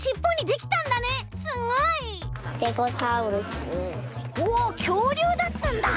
すごい！おっきょうりゅうだったんだ。